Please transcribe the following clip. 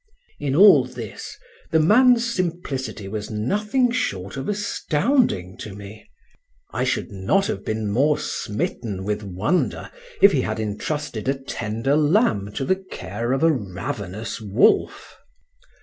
In all this the man's simplicity was nothing short of astounding to me; I should not have been more smitten with wonder if he had entrusted a tender lamb to the care of a ravenous wolf.